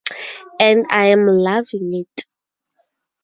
And I am loving it.